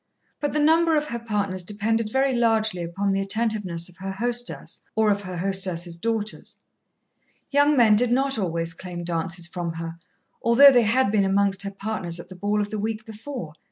But the number of her partners depended very largely upon the attentiveness of her hostess or of her hostess's daughters. Young men did not always claim dances from her, although they had been amongst her partners at the ball of the week before.